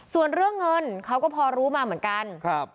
ส่วนเรื่องเงินเขาก็พอรู้มาเหมือนกัน